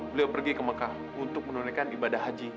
beliau pergi ke mekah untuk menunaikan ibadah haji